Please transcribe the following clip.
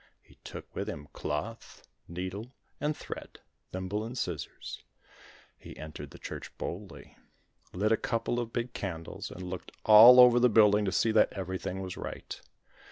He took with him cloth, needle and thread, thimble and scissors. He entered the church boldly, lit a couple of big candles, and looked all over the building to see that everything was right.